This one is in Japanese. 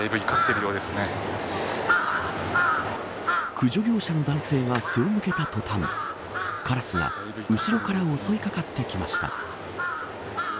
駆除業者の男性が背を向けた途端カラスが後ろから襲い掛かってきました。